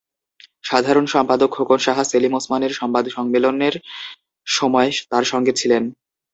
সাধারণ সম্পাদক খোকন সাহা সেলিম ওসমানের সংবাদ সম্মেলনের সময় তাঁর সঙ্গে ছিলেন।